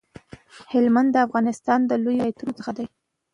هلمند د افغانستان د لویو ولایتونو څخه دی